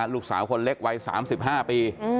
ลูกสาวคนเล็กวัย๓๕ปี